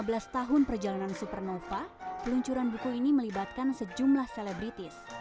selama dua belas tahun perjalanan supernova peluncuran buku ini melibatkan sejumlah selebritis